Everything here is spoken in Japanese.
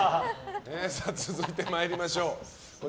続いて参りましょう。